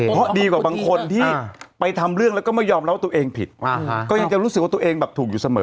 เพราะดีกว่าบางคนที่ไปทำเรื่องแล้วก็ไม่ยอมรับว่าตัวเองผิดก็ยังจะรู้สึกว่าตัวเองแบบถูกอยู่เสมอ